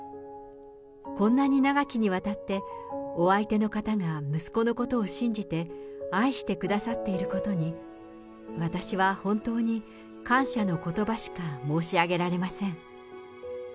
こんなに長きにわたってお相手の方が息子のことを信じて、愛してくださっていることに、私は本当に感謝のことばしか申し上げられません。